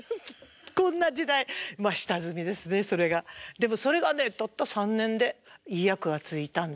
でもそれがねたった３年でいい役がついたんです。